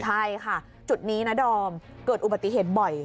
ใช่ค่ะจุดนี้นะดอมเกิดอุบัติเหตุบ่อย